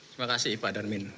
terima kasih pak darmin